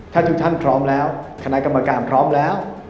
ถ้าทุกท่านพร้อมแล้วคณะกรรมการพร้อมแล้ว